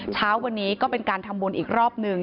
เช้าวันนี้ก็เป็นการทำบุญอีกรอบหนึ่ง